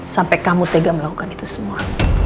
sampai kamu tega melakukan itu semua